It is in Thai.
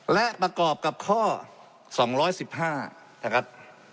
และประกอบกับข้อ๒๑๕นะครับ